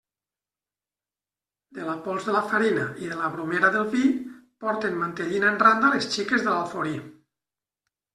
De la pols de la farina i de la bromera del vi, porten mantellina en randa les xiques de l'Alforí.